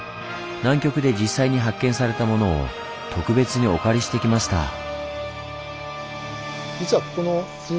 南極で実際に発見されたものを特別にお借りしてきました。